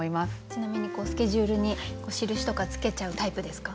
ちなみにスケジュールに印とか付けちゃうタイプですか？